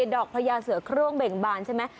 ดอกพระยาเสือเครื่องเบ่งบานใช่ไหม